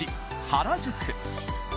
原宿